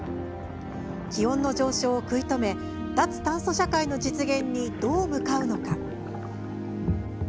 気温の上昇を食い止め脱炭素社会の実現にどう向かうのか。